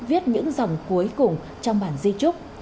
viết những dòng cuối cùng trong bản di trúc